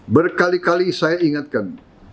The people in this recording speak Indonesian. berkali kali saya ingatkan